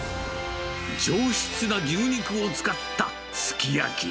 上質な牛肉を使ったすき焼き。